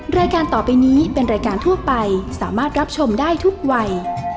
รายการต่อไปนี้เป็นรายการทั่วไปสามารถรับชมได้ทุกวัย